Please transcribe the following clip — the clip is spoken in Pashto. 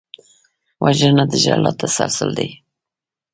وژنه د ژړا تسلسل دی